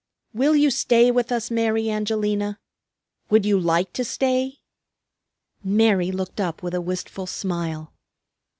Will you stay with us, Mary Angelina? Would you like to stay?" Mary looked up with a wistful smile.